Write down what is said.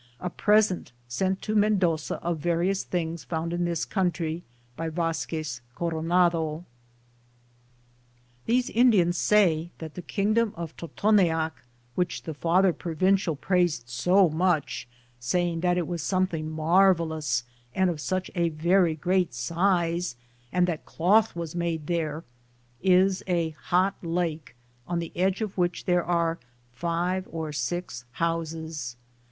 A present sent to Mendoza of various things found In this country by Vazquez Coronado. These Indiana say that the kingdom of Totonteac, which the father provincial praised so much, saying that it was something mar velous, and of such a very great size, and that cloth was made there, is a hot lake, on the edge of which there are five or six houses.